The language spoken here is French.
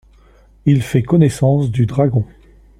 Il fait connaissance du dragon.